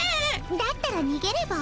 だったらにげれば？